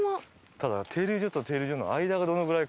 ただ停留所と停留所の間がどのぐらいか。